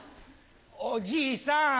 おじいさん